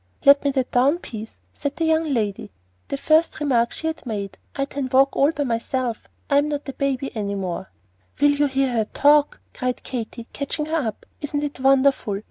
"Let me det down, pease," said that young lady, the first remark she had made. "I tan walk all by myself. I am not a baby any more." "Will you hear her talk?" cried Katy, catching her up. "Isn't it wonderful?